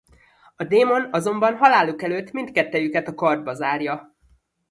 A démon azonban haláluk előtt mindkettejüket a kardba zárja.